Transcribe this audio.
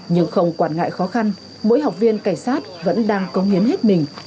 nhưng không quản ngại khó khăn mỗi học viên cảnh sát vẫn đang công hiến hết mình